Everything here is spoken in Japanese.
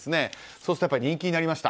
そうすると人気になりました。